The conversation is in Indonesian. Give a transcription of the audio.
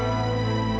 aku mau pergi